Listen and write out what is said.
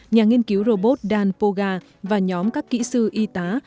nhà nghiên cứu robot dan poga và nhóm các kỹ sư y tá